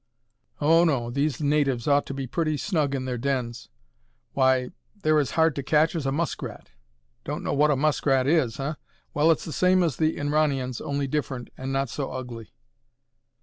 Oh no, these natives ought to be pretty snug in their dens. Why, they're as hard to catch as a muskrat! Don't know what a muskrat is, huh? Well, it's the same as the Inranians, only different, and not so ugly."